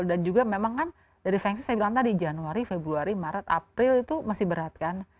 dan juga memang kan dari feng shui saya bilang tadi januari februari maret april itu masih berat kan